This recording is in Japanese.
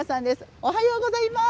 おはようございます！